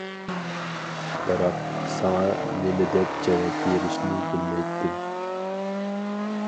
بىراق، ساڭا نېمىدەپ جاۋاب بېرىشنى بىلمەيتتىم.